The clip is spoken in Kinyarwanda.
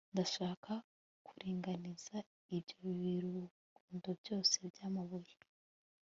ndashaka, kuringaniza ibyo birundo byose byamabuye